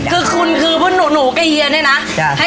คือคุณคือพวกหนูกับเฮียเนี่ยนะ